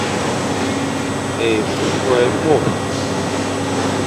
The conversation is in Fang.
Évôvô é môr.